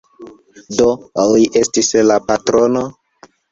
Do li estis la patrono?